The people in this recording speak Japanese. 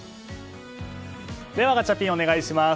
では、ガチャピンお願いします。